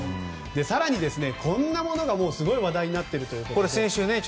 更に、こんなものがすごい話題になっていると。